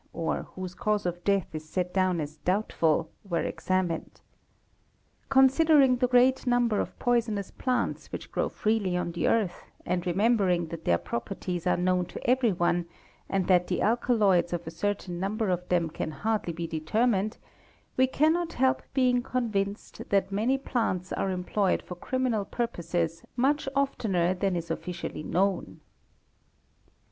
or whose cause of death is set down as doubtful "were examined. Considering the great number of poisonous plants which grow freely on the earth, and remembering that their properties are known to everyone and that the alkaloids of a certain number of them 'ean hardly be determined, we cannot help being convinced that many 2.04 THE MICROSCOPIST plants are employed for criminal purposes much oftener than is officially known.